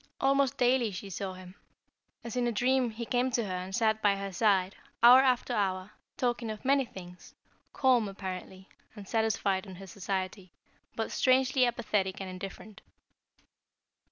Almost daily she saw him. As in a dream he came to her and sat by her side, hour after hour, talking of many things, calm, apparently, and satisfied in her society, but strangely apathetic and indifferent.